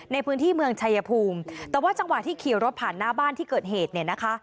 ในพื้นที่เมืองชายภูมิแต่ว่าจังหวะที่ขี่รถผ่านหน้าบ้านที่เกิดเหตุเนี่ยนะคะ